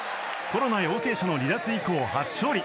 コロナ陽性者の離脱以降初勝利。